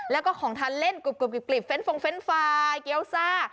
แล้วก็ของทานเล่นกรุบเฟ้นฟงเฟ้นฟาเกี้ยวซ่า